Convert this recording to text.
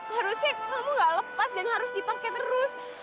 harusnya kamu gak lepas dan harus dipakai terus